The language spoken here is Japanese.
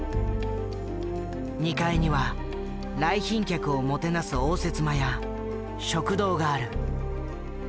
２階には来賓客をもてなす応接間や食堂がある。